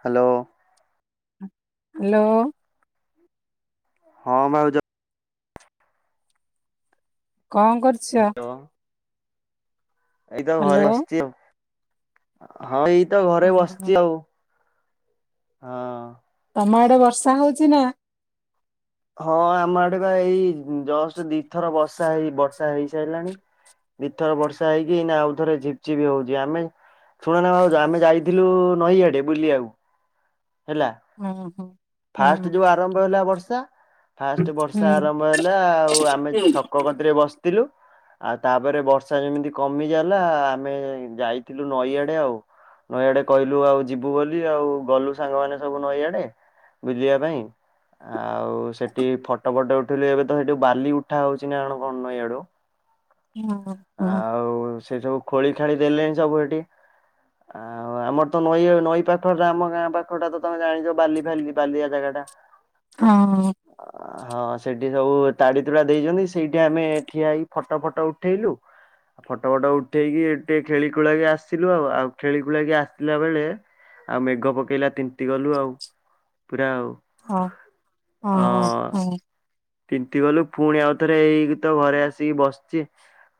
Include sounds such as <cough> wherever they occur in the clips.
Hello. Hello. ହଁ ଭାଉଜ। କଣ କରୁଛ? ଏଇତ ହ୍ୟାଲୋ ଘରେ ବସିଛି ଆଉ। ହଁ ଏଇ ତ ଘରେ ହଁ ବସିଛି ଆଉ ହଁ। ତମ ଆଡେ ବର୍ଷା ହଉଚି ନା? ହଁ ଆମ ଆଡେପା ଏଇ ଜଷ୍ଟ ଦିଥର ବର୍ଷା ହେଇ ବର୍ଷା ହେଇସାରିଲାଣି। ବିଥର ବର୍ଷା ହେଇକି ନଏଇନା ଆଉ ଥରେ ଝିପଚିପି ହଉଛି ଆମେ। ଶୁଣ ନା ଭଉଜ ଆମେ ଯାଇଥିଲୁ ନଈଆଡେ ବୁଲି ଆକୁ। ହେଲା ହଁ ହଁ। ଫାଷ୍ଟ ଯୋଉ ଆରମ୍ଭ ହେଲା ବର୍ଷା। ଫାଷ୍ଟ ବର୍ଷା ହଁ ଆରମ୍ଭ ହେଲା ଆଉ ଆମେ ଛକ କତିରେ ବସିଥିଲୁ। ଆଉ ତାପରେ ବର୍ଷା ଯେମିତି କମି ଗଲା ଆମେ ଯାଇଥିଲୁ ନଈଆଡେ ଆଉ। ନଈଆଡେ କହିଲୁ ଆଉ ଯିବୁ ବୋଲି ଆଉ ଗଲୁ ସାଙ୍ଗମାନେ ସବୁ ନଈଆଡେ। ବୁଲିବା ପାଇଁ ଆଉ। ସେଠି ଫଟୋ ଫଟ ଉଠିଲୁ ଏବେ ତ ସେଇଠି ବାଲି ଉଠା ହଉଛି ନା କଣ କଣ ନଈ ଆଡୁ। ହଁ। ହଁ ଆଉ ସେ ସବୁ ଖୋଳି ଖାଳି ଦେଲେଣି ସବୁ ଏଠି ଆ। ଆଉ ଆମର ତ ନଈ ନଈ ପାଖରା ଆମ ଗାଁ ପାଖ ଟା ତମେ ଜାଣିଛ ବାଲି ଫାଲି ବାଲିଆ ଜାଗା ଟା। ହଁ ହଁ। ହଁ ସେଇଠି ସବୁ ତାଡ଼ିିତୁଡ଼ା ଦେଇଛନ୍ତି ସେଇଠି ଆମେ ଠିଆ ହେଇ ଫଟୋ ଫଟ ଉଠେଇଲୁ। ଫଟୋ ଫଟ ଉଠେଇକି ଟିକେ ଖେଳି ଖୁଳକେ ଆସିଲୁ ଆଉ ଆଉ ଖେଳିକୁଳାକି ଆସିଲା ବେଳେ ଆଉ ମେଘ ପକେଇଲା ତିନ୍ତୀ ଗଲୁ ଆଉ ପୁରା ଆଉ। ହଁ ହ। ହଁ ହଁ। ତିନ୍ତି ଗଲୁ ପୁଣି ଆଉ ଥରେ ହେଇକି ତ ଘରେ ଆସିକି ବସିଛି।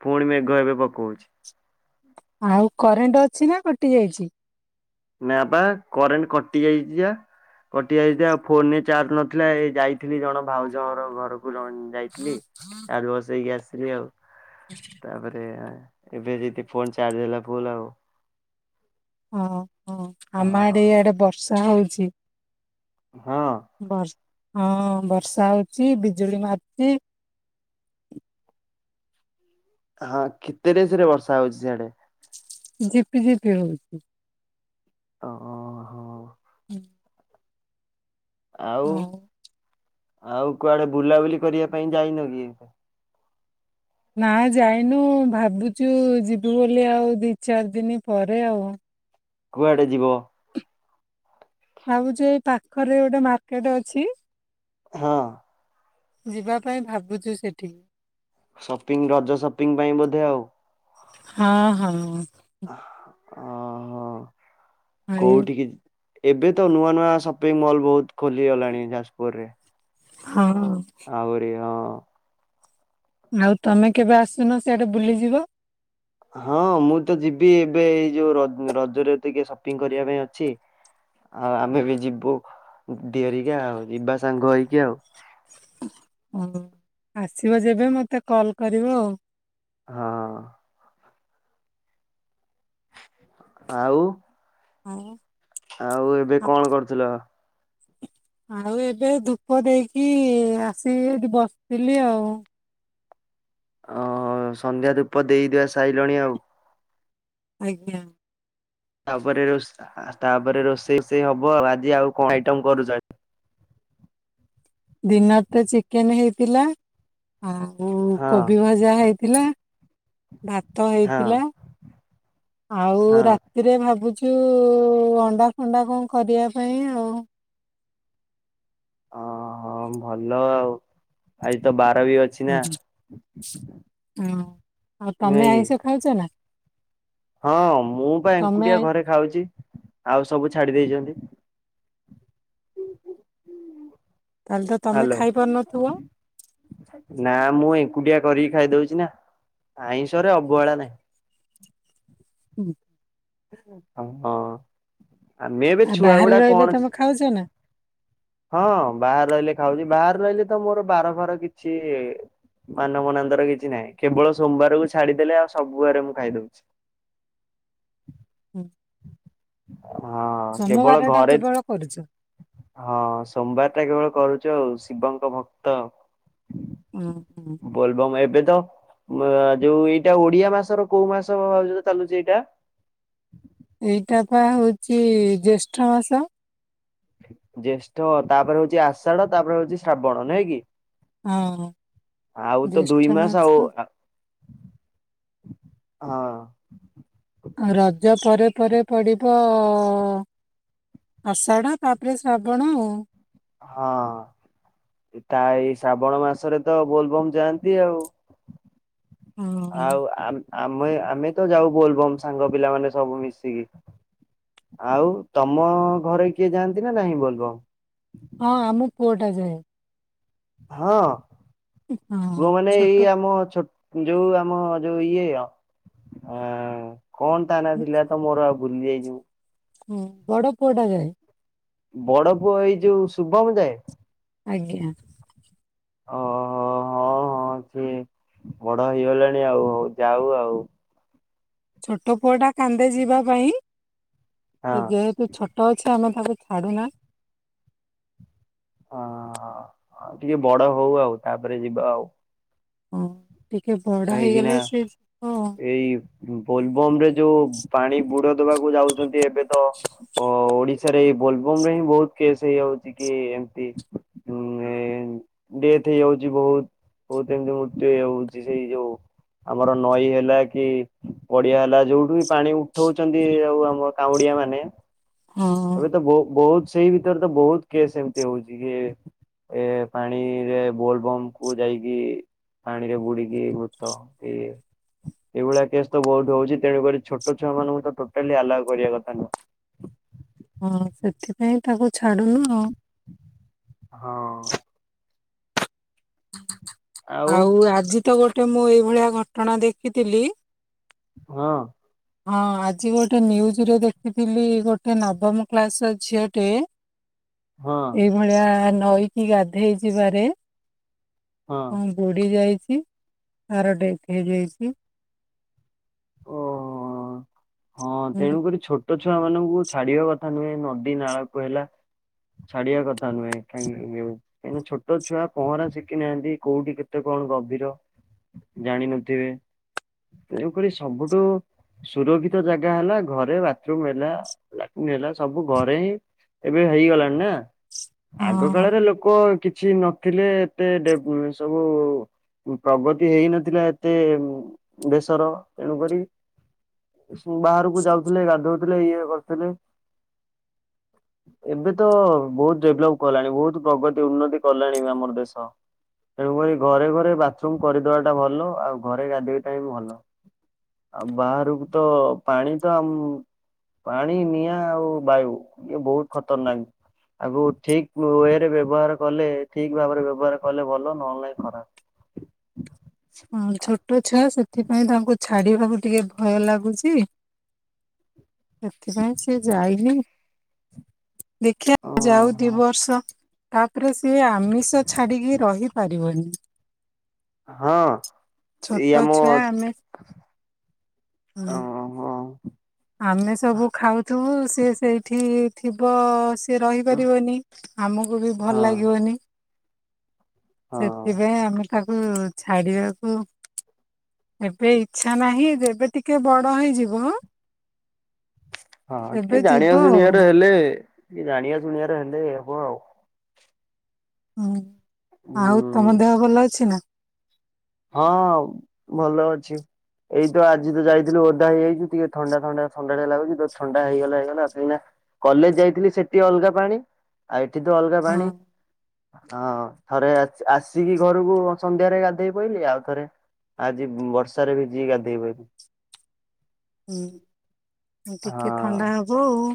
ପୁଣି ମେଘ ଏବେ ପକାଉଛି। ଆଉ କରେଣ୍ଟ ଅଛି ନା କଟି ଯାଇଛି? ନା ବା କରେଣ୍ଟ କଟି ଯାଇଛି ପା। କଟି ଯାଇଥିଲା ଆଉ ଫୋନରେ ଚାର୍ଜ ନଥିଲା ଏ ଯାଇଥିଲି ଜଣ ଭାଉଜଙ୍କର ଘରକୁ ଜଣ। ଯାଇଥିଲି ଚାର୍ଜ ବସେଇକି ଆସିଥିଲି ଆଉ ତାପରେ। ଏବେ ଯିବି ଫୋନ ଚାର୍ଜ ହେଲା ଫୁଲ୍ ଆଉ। ହଁ ହଁ ହଁ ଆମ ଆଡେ ଇଆଡେ ବର୍ଷା ହଉଛି। ହଁ। ବର୍ଷ ହଁ ବର୍ଷା ହଉଛି ବିଜୁଳି ମାରୁିଛି। ହଁ କେତେ ରେଜରେ ବର୍ଷା ହଉଛି ସିଆଡେ? ଝିପି ଝିପି ହଉଛି। ଓହୋ। <unintelligible> ଆଉ ହଉ। ଆଉ କୁଆଡେ ବୁଲାବୁଲି କରିବା ପାଇଁ ଯାଇନ କି? ନା ଯାଇନୁ ଭାବୁଛୁ ଯିବୁ ବୋଲି ଆଉ ଦି ଚାରି ଦିନ ପରେ ଆଉ। କୁଆଡ଼େ ଯିବ? ଭାବୁଛୁ ଏଇ ପାଖରେ ଗୋଟେ ମାର୍କେଟ ଅଛି। ହଁ। ଯିବା ପାଇଁ ଭାବୁଛୁ ସେଠିକି। ସପିଙ୍ଗ୍ ରଜ ସପିଙ୍ଗ୍ ପାଇଁ ବୋଧେ ଆଉ। ହଁ ହଁ। ଓହୋ ଏଇ କୋଉଠିକି? ଏବେ ତ ନୂଆ ନୂଆ ସପିଙ୍ଗ୍ ମହଲ୍ ବହୁତ୍ ଖୋଲିଗଲାଣି ଯାସ୍ ପୁରୁ ରେ। ହଁ। ଆହୁରି ହଁ। ଆଉ ତମେ କେବେ ଆସୁନ ସିଆଡେ ବୁଲିଯିବ। ହଁ ମୁଁ ତ ଯିବି ଏବେ ଏଇ ଯୋଉ ରଜରେ ଟିକେ ସପିଙ୍ଗ୍ କରିବା ପାଇଁ ଅଛି। ଆଉ ଆମେ ବି ଯିବୁ ଦିଇହେରିକା ଆଉ ଯିବା ସାଙ୍ଗ ହେଇକି ଆଉ। ଓହୋ ଆସିବ ଯେବେ ମତେ କଲ୍ କରିବ। ହଁ। ଆଉ? ହଉ। ଆଉ ଏବେ କଣ କରୁଥିଲ? ଆଉ ଏବେ ଧୂପ ଦେଇକି ଆସିି ଏଠି ବସିଥିଲି ଆଉ। ଓ ସନ୍ଧ୍ୟା ଧୂପ ଦେଇଦୁଆ ସାଇିଲଣି ଆଉ। ଆଜ୍ଞା। ତାପରେ ରେଷା ତାପରେ ରୋଷେଇଷେଇ ହବ ଆଉ ଆଜି ଆଉ କଣ ଆଇଟମ କରୁଚ? ଦିନରେ ତ ଚିକେନେ ହେଇଥିଲା। ଆଉ ହଁ କୋବି ଭଜା ହେଇଥିଲା, ଭାତ ହଁ ହେଇଥିଲା।। ଆଉ ହଁ ରାତିରେ ଭାବୁଛୁ ଅଣ୍ଡା ଫଣ୍ଡା କଣ କରିବା ପାଇଁ ଆଉ। ଅ ହଁ ଭଲ ଆଉ ଆଜି ତ ବାର ବି ଅଛି। ନା ତମେ ନୁହେଁ କି? ଆଇଁଷ ଖାଉଛ ନା? ହଁ ମୁଁ ପା ତମେ ଆଇଁ ଏଙ୍କୁଟିଆ ଘରେ ଖାଉଚି ଆଉ ସବୁ ଛାଡି ଦେଇେଇଚନ୍ତି। ତାହେଲେ ତମେ ହ୍ୟାଲୋ ଖାଇପାରୁନଥୁବ? ନା ମୁଁ ଏକୁଟିଆ କରିକି ଖାଇଦଉଚି ନା ଆଇଁଷ ରେ ଅବହେଳା ନାହିଁ। ହୁଁ। ହଁ ଆ ମେ ଏବେ ଛୁଆ ଗୁଡା କଣ ଅଛି। ଖାଉଚ ନା? ହଁ ବାହାରେ ରହିଲେ ଖାଉଛି ବାହାରେ ରହିଲେ ତ ମୋର ବାର ଫାର କିଛି ମାନ ମନାନ୍ତର କିଛି ନାହିଁ କେବଳ ସୋବାରକୁ ଛାଡିଦେଲେ ଆଉ ସବୁଆରେ ମୁଁ ଖାଇଦଉଛି। ହୁଁ। ହଁ କେବଳ ସୋମବାର ଟା ଘରେ କେବଳ କରୁଚ? ହଁ ସୋମବାର ଟା କେବଳ କରୁଚୁ ଆଉ ଶିବଙ୍କ ଭକ୍ତ। <inaudible> ବୋଲବମ୍ ଏବେ ତ ଯୋଉ ଏଇଟା ଓଡିଆ ମାସର କୋଉ ମାସ ଚାଲୁଚି ଏଇଟା? ଏଇଟାପା ହେଉଚି ଜ୍ୟେଷ୍ଠ ମାସ। ଜ୍ୟେଷ୍ଠ ତାପରେ ହଉଚି ଆଷାଢ ତାପରେ ହଉଚି ଶ୍ରାବଣ ନୁହଁ କି? ହଁ ଆଉ ତ ଦୁଇ ମାସ ଆଉ। ହଁ। ଆଉ ରଜ ପରେ ପରେ ପଡିବ ଆଷାଢ଼ ତାପରେ ଶ୍ରାବଣ ଆଉ। ହଁ ତା ଏଇ ଶ୍ରାବଣ ମାସରେ ତ ବୋଲବମ୍ ଯାଆନ୍ତି ଆଉ। ହଁ। ଆଉ ଆମେ ଆମେ ତ ଯାଉ ବୋଲବମ୍ ସାଙ୍ଗ ପିଲାମାନେ ସବୁ ମିଶିକି। ଆଉ ତମ ଘରେ କିଏ ଯାଆନ୍ତି ନା ନାହିଁ ବୋଲବମ୍? ହଁ ଆମ ପୁଅଟା ଯାଏ। ହଁ ପୁଅ ହଁ ମାନେ ଏଇ ଛୋଟ ଆମ ଛଟ ଯୋଉ ଆମ ଯୋଉ ଇଏ ଅ କଣ ତାନା ଥିଲା ତ ମୋର ଆଉ ଭୁଲି ଯାଇଚି। ହୁଁ ବଡ ପୁଅ ଟା ଯାଏ। ବଡ ପୁଅ ଏଇ ଯୋଉ ଶୁଭମ ଯାଏ? ଆଜ୍ଞା। ଓହୋ ହୋ ହ- କଣ ସଏ ବଡ ହେଇଗଲାଣି ଆଉ ଯାଉ ଆଉ। ଛୋଟ ପୁଅ ଟା କାନ୍ଦେ ଯିବା ପାଇଁ ହଁ। ସେ ଯେହେତୁ ଛୋଟ ଅଛି ତ ଆମେ ତାକୁ ଛାଡ଼ୁ ନା। ହଁ ଟିକେ ବଡ ହଉ ଆଉ ତାପରେ ଯିବା ଆଉ। ହଁ ଟିକେ ବଢ ହେଇଗଲେ ସେ ହଁ ସେଇ ବୋଲଭମ ରେ ଯୋଉ ପାଣି ବୁଡ ଦବାକୁ ଯାଉଛନ୍ତି ଏବେ ତ ଓ ଓଡିଶାରେ ଏଇ ବୋଲଭମ ରେ ହିଁ ବହୁତ କେସ୍ ହେଇଯାଉଛି କି ଏମତି <unintelligible> ଡେଥ ହେଇଯାଉଛି ବହୁତ ବହୁତ ଏମିତି ମୃତ୍ୟୁ ହେଇଯାଉଛି ସେଇ ଯୋଉ ଆମର ନଈ ହେଲା କି ଗଡିଆ ହେଲା ଯୋଉଠି ବି ପାଣି ଉଠଉଛନ୍ତି ଆଉ ଆମ କାଉଁଡିଆ ମାନେ ହଁ ଏବେ ତ ବହୁତ ସେଇ ଭିତରେ ତ ବହୁତ କେସ୍ ଏମିତି ହଉଛି କି ଏ ପାଣିରେ ବୋଲ ବମ୍ କୁ ଯାଇକି ପାଣିରେ ବୁଡିକି ମୃତ କି। ଏଇଭଳିଆ କେସ୍ ତ ବହୁତ ହଉଛି ତେଣୁକରି ଛୋଟ ଛୁଆ ମାନଙ୍କୁ ତ ଟୋଟାଲି ଆଲାଓ କରିବା କଥା ନୁହଁ। ହଁ ସେଥିପାଇଁ ତାକୁ ଛାଡୁନୁ ଆଉ। ହଁ। ଆଉ ଆଜି ତ ଗୋଟେ ମୁଁ ଏଇଭଳିଆ ଘଟଣା ଦେଖିଥିଲି। ହଁ। ହଁ ଆଜି ଗୋଟେ ନ୍ୟୁଜ ରେ ଦେଖିଥିଲି ଗୋଟେ ନବମ କ୍ଲାସ ର ଝିଅଟେ ହଁ। ଭଳିଆ ନଈକି ଗାଧେଇଯିବାରେ ହଁ ବୁଡି ଯାଇଛି ତାର ଡେଥ ହେଇଯାଇଛି। <unintelligible> ହଁ ହୁଁ, ତେଣୁକରି ଛୋଟ ଛୁଆ ମାନଙ୍କୁ ଛାଡିବା କଥା ନୁହେଁ ନଦୀ ନାଳ କୁ ହେଲା। ଛାଡିବା କଥା ନୁହେଁ କାହିଁ କାହିଁକିନା ଛୋଟଛଆ ପହଁରା ଶିଖି ନାହାନ୍ତି କୋଉଠି କେତେ କଣ ଗଭୀର। ଜାଣିନଥିବେ ତେଣୁକରି ସବୁଠୁ ସୁରଖି ଜାଗା ହେଲା ଘରେ ବାଥରୁମ ହେଲା ଲାଟିନ ହେଲା ସବୁ ଘରେ ହିଁ ଏବେ ହେଇଗଲାଣି ନା ଆଗ ହଁ। କାଳରେ ଲୋକ କିଛି ନଥିଲେ ଏ ସବୁ ପ୍ରଗତି ହେଇନଥିଲା ଏତେ ଦେଶର ତେଣୁକରି ବାହାରକୁ ଯାଉଥିଲେ ଗାଧଉଥିଲେ ଇଏ କରୁଥିଲେ। <unintelligible> ଏବେ ତ ବହୁତ ଡେଭଲପ କଲାଣି ବହୁତ ପ୍ରଗତି ଉନ୍ନତି କଲାଣି ଆମର ଦେଶ। ତେଣୁକରି ଘରେ ଘରେ ବାଥରୁମ କରିଦବାଟା ଭଲ, ଆଉ ଘରେ ଗାଧେଇ ଟା ବି ଭଲ। ଆ ବାହାରକୁ ତ ପାଣି ତ ଆମ ପାଣି, ନିଆଁ ଆଉ ବାୟୁ ଇଏ ବହୁତ ଖତରନାକ। ଆଗକୁ ଠିକ ୱେ ରେ ବ୍ୟବହାର କଲେ ଠିକ ଭାବରେ ବ୍ୟବହାର କଲେ ଭଲ ନହେଲେ ନାହିଁ ଖରାପ। ହଁ ଛୋଟ ଛୁଆ ସେଥିପାଇଁ ତାଙ୍କୁ ଛାଡିବାକୁ ଟିକେ ଭୟ ଲାଗୁଚି। ସେଥିପାଇଁ ସିଏ ଯାଇନି, ଦେଖିଆ ଯାଉ ଦି ଓହୋ ବର୍ଷ। ତାପରେ ସିଏ ଆମିଷ ଛାଡିକି ରହି ପାରିବନି। ହଁ ଏଇ ଛୋଟ ଆମ ଉଁ। ଓହୋ ଆମେ ସବୁ ଖାଉଥିବୁ ସେ ସେଇଠି ଥିବ ସିଏ ରହିପାରିବନି ଆମକୁ ବି ଭଲ ହଁ ଲାଗିବନି। ହଁ ସେଥିପାଇଁ ଆମେ ତାକୁ ଛାଡିବାକୁ ଏବେ ଇଛା ନାହିଁ, ଯେବେ ଟିକେ ବଡ ହେଇଯିବ। ହଁ ଟିକେ ଏବେ ଯିବ ଜାଣିବା ଆଉ ଶୁଣିଆର ହେଲେ ଟିକେ ଜାଣିବା ଶୁଣିଆର ହେଲେ ହବ ଆଉ। ହୁଁ, ଆଉ ତମ ହୁଁ ଦେହ ଭଲ ଅଛି ନା? ହଁ ଭଲ ଅଛି। ଏଇ ତ ଆଜି ତ ଯାଇଥିଲୁ ଓଦା ହେଇଯାଇଛୁ ଟିକେ ଥଣ୍ଡା ଥଣ୍ଡା ଥଣ୍ଡଳିଆ ଲାଗୁଛି ତ ଥଣ୍ଡା ହେଇଗଲା ହେଇଗଲା, ଏଇନା କଲେଜ ଯାଇଥିଲି ସେଠି ଅଲଗା ପାଣି ଆଉ ଏଠି ତ ଅଲଗା ହଁ ପାଣି। ହଁ ଥରେ ଆସିକି ଘରକୁ ସନ୍ଧ୍ୟାରେ ଗାଧେଇ ପଇଲି ଆଉ ଥରେ ଆଜି ବର୍ଷାରେ ଭିଯିକି ଗାଧେଇପଇଲି। ହୁଁ ଟିକେ ହଁ ଥଣ୍ଡା ହବ ଆଉ।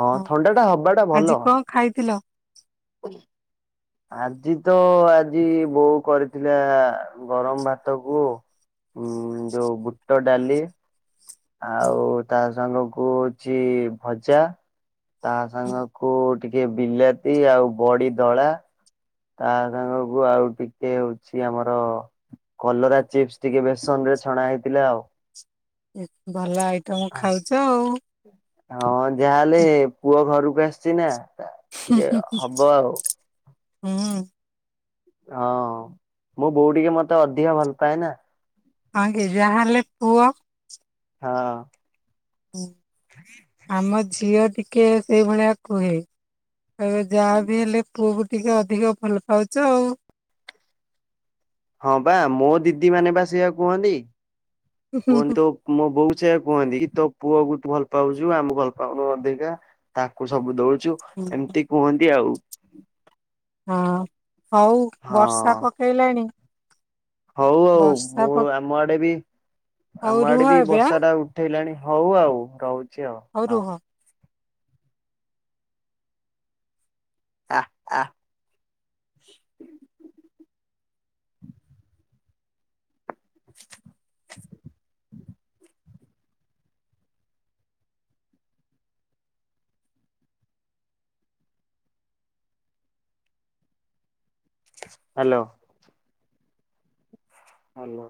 ହଁ ଥଣ୍ଡା ଟା ହବା ଟା ଆଜି ଭଲ। କଣ ଖାଇଥିଲ। <unintelligible> ଆଜି ତ ଆଜି ବୋଉ କରିଥିଲା ଗରମ ଭାତ କୁ ଉଁ ଯୋଉ ବୁଟ ଡାଲି। ହୁଁ ଆଉ ତା ସାଙ୍ଗକୁ ହଉଛି ଭଜା, ତା ହୁଁ। ସାଙ୍ଗ କୁ ଟିକେ ବିଲାତି ଆଉ ବଡି ଦଳା। ତା ସାଙ୍ଗକୁ ଆଉ ଟିକେ ହଉଛି ଆମର କଲରା ଚିପ୍ସ ଟିକେ ବେସନରେ ଛଣା ହେଇଥିଲା ଆଉ। ଭଲ ଆଇଟମ ଖାଉଛ ଆଉ। ହଁ ଯାହାହେଲେ ପୁଅ ଘରକୁ ଆସିଛି ନା। ଟିକେ ହବ <unintelligible> ଆଉ ହୁଁ। ହଁ, ମୋ ବୋଉ ଟିକେ ମତେ ଅଧିକ ଭଲ ପାଏ ନା। ହଁ କି ଯାହା ହଲେ ପୁଅ। ହଁ। ହୁଁ। <inaudible> ଆମ ଝିଅ ଟିକେ ସେଇଭଳିଆ କୁହେ। କହିବେ ଯାହା ବି ହେଲେ ପୁଅକୁ ଟିକେ ଅଧିକ ଭଲପାଉଛ ଆଉ। ହଁ ବା ମୋ ଦିଦି ମାନେ ବା ସେଆ କୁହନ୍ତି, କୁହନ୍ତୁ। ମୋ ବୋଉ ବି ସେଇୟା କୁହନ୍ତି ତୋ ପୁଅକୁୁୁ ତୁ ଭଲ ପାଉଛୁ ଆମକୁ ଭଲ ପାଉନୁ ଅଧିକା। ତାକୁ ସବୁ ଦଉଚୁ ଏମିତି କୁହନ୍ତି ଆଉ। ହଁ ହଉ ହଁ। ବର୍ଷା ପକେଇଲାଣି। ହଉ ଆଉ ବର୍ଷା ମୁଁ ପ ଆମ ଆଡେ ବି ହଉ ଆମ ଆଡେ ରୁହ ବି ଏବେ ଆଁ ବର୍ଷା ଟା ଉଠେଇଲାଣି ହଉ ଆଉ ରହୁଚି ଆଉ। ହଉ ରୁହ। ଆ ଆ। ହାଲୋ। ହାଲୋ।